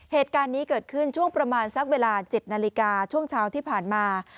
เหตุการณ์นี้เกิดขึ้นช่วงประมาณสักเวลา๗นาฬิกาช่วงเช้าที่ผ่านมา